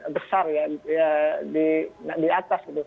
besar ya di atas